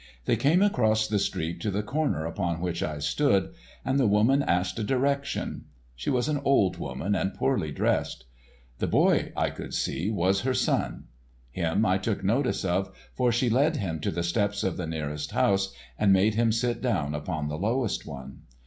They came across the street to the corner upon which I stood, and the woman asked a direction. She was an old woman, and poorly dressed. The boy, I could see, was her son. Him I took notice of, for she led him to the steps of the nearest house and made him sit down upon the lowest one.